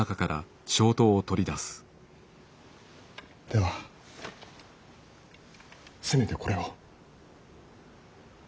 ではせめてこれを。